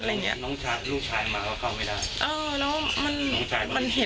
น้องชายมาก็เข้าไม่ได้